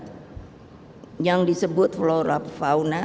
yang disebut flora fauna